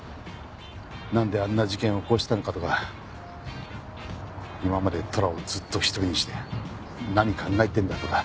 なんであんな事件を起こしたのかとか今までトラをずっと一人にして何考えてるんだとか。